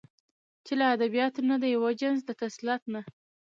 چې له ادبياتو نه د يوه جنس د تسلط نه